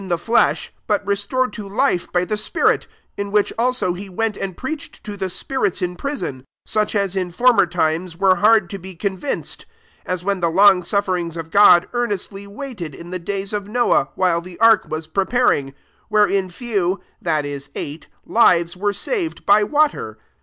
Q76 1 PETER IV flesh, but restored to life by the spirit; 19 in which also he went and preached to the spirits in prison ;• 20 such as in former timest were hard to be convinc ed ; aa when the long sufferings of God earnestly waited in the days of Noah, while nhc ark (that is, eight) lives were saved by water.